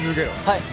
はい。